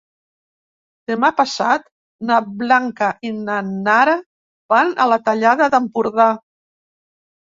Demà passat na Blanca i na Nara van a la Tallada d'Empordà.